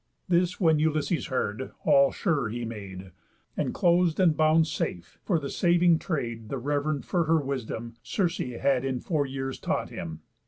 This when Ulysses heard, all sure he made Enclos'd and bound safe; for the saving trade The rev'rend for her wisdom, Circe, had In foreyears taught him.